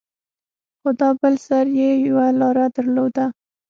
خو دا بل سر يې يوه لاره درلوده.